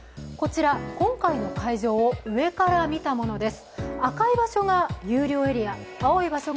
今回の会場を上から見たものです。